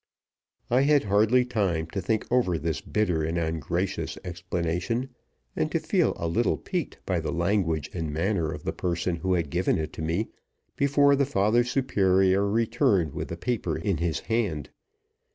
I had hardly time to think over this bitter and ungracious explanation, and to feel a little piqued by the language and manner of the person who had given it to me, before the father superior returned with the paper in his hand.